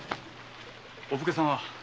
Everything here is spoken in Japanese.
お武家様は？